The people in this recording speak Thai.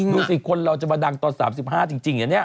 ดูสิคนเราจะมาดังตอน๓๕จริงนะเนี่ย